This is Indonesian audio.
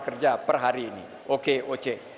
kerja per hari ini okoc